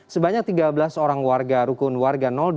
sebanyak tiga belas orang warga rukun warga dua